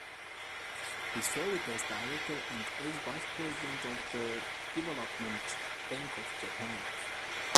He served as Director and as Vice President of the Development Bank of Japan.